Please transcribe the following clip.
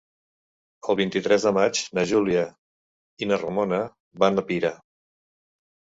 El vint-i-tres de maig na Júlia i na Ramona van a Pira.